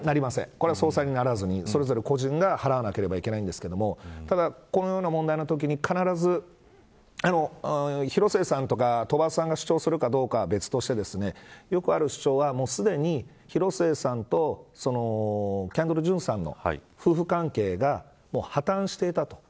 これは相殺にならずにそれぞれ個人が払わなければいけないんですがただ、このような問題のときに広末さんとか鳥羽さんが主張するかどうか別としてよくある主張はすでに広末さんとキャンドル・ジュンさんの夫婦関係がもう破綻していたと。